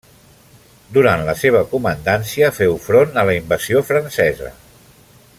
Durant la seva la comandància féu front a la invasió francesa.